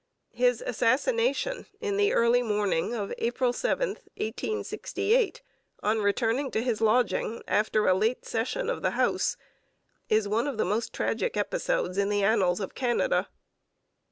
His assassination in the early morning of April 7, 1868, on returning to his lodging after a late session of the House, is one of the most tragic episodes in the annals of Canada.